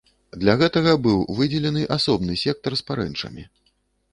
Для гэтага быў выдзелены асобны сектар з парэнчамі.